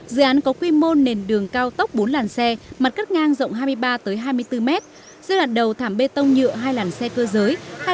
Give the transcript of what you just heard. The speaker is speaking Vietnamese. dự án có quy mô nền đường cao tốc bốn làn xe mặt cắt ngang rộng hai mươi ba hai mươi bốn mét dưới đoạn đầu thảm bê tông nhựa hai làn xe cơ giới